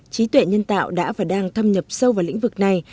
trí tuệ nhân tạo đã và đang thâm nhập sâu vào lĩnh vực này